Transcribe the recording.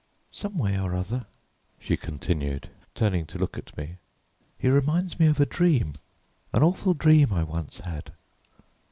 Someway or other," she continued, turning to look at me, "he reminds me of a dream, an awful dream I once had.